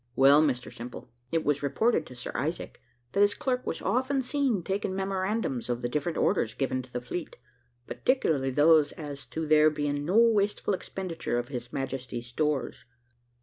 Well, Mr Simple, it was reported to Sir Isaac that his clerk was often seen taking memorandums of the different orders given to the fleet, particularly those as to there being no wasteful expenditure of His Majesty's stores.